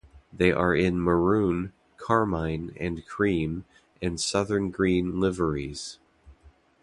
They are in Maroon, Carmine and Cream, and Southern Green liveries.